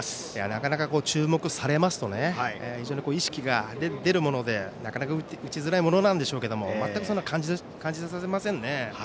なかなか注目されますと非常に意識が出るものでなかなか打ちづらいものなんでしょうけれども全くそんなことを感じさせませんね。